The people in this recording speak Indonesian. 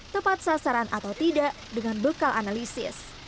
tepat sasaran atau tidak dengan bekal analisis